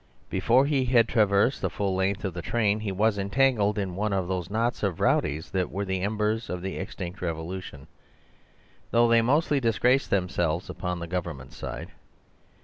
"Before he had traversed the full length of the train he was entangled in one of those knots of rowdies that were the embers of the extinct revolution, though they mostly disgraced themselves upon the government side.